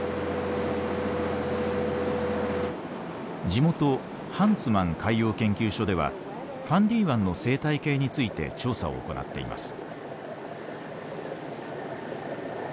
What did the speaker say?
地元ハンツマン海洋研究所ではファンディ湾の生態系について調査を行っています。